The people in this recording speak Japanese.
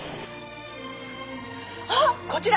ああこちら！